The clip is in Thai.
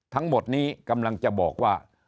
ทั้งหมดนี้กำลังจะบอกว่า